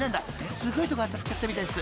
［すごいとこ当たっちゃったみたいっす。